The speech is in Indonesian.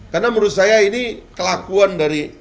karena menurut saya ini kelakuan dari